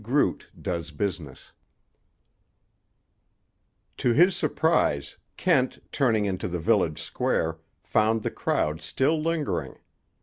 GROOT DOES BUSINESS To his surprise, Kent, turning into the village Square, found the crowd still lingering.